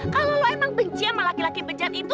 kalau lo emang benci sama laki laki bejat itu